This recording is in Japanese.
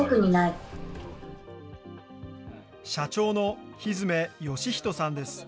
社長の日詰宣仁さんです。